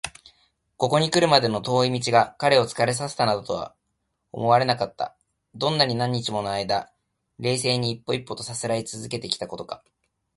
ここにくるまでの遠い道が彼を疲れさせたなどとは思われなかった。どんなに何日ものあいだ、冷静に一歩一歩とさすらいつづけてきたことか！